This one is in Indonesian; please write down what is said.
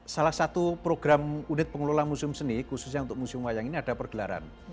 salah satu program unit pengelola museum seni khususnya untuk museum wayang ini ada pergelaran